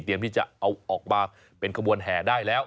ที่จะเอาออกมาเป็นขบวนแห่ได้แล้ว